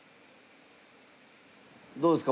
どうですか？